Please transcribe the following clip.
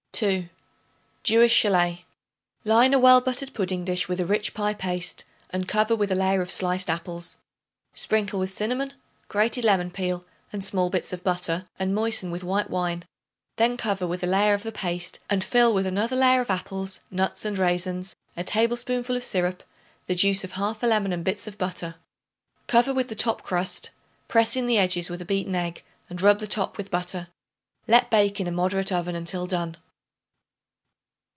2. Jewish Shallét. Line a well buttered pudding dish with a rich pie paste and cover with a layer of sliced apples. Sprinkle with cinnamon, grated lemon peel and small bits of butter, and moisten with white wine; then cover with a layer of the paste and fill with another layer of apples, nuts and raisins, a tablespoonful of syrup, the juice of 1/2 lemon and bits of butter. Cover with the top crust; press in the edges with a beaten egg, and rub the top with butter. Let bake in a moderate oven until done.